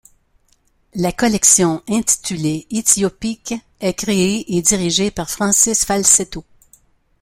La collection, intitulée Éthiopiques est créée et dirigée par Francis Falceto.